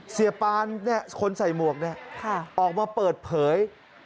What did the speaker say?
เสียปานคนใส่หมวกนี่ออกมาเปิดเผย